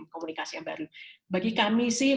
komunikasi yang baru bagi kami sih